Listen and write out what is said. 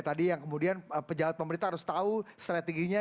tadi yang kemudian pejabat pemerintah harus tahu strateginya